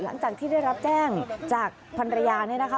หลังจากที่ได้รับแจ้งจากภรรยาเนี่ยนะคะ